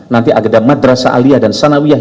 nanti agenda madrasa alia dan sanawiyah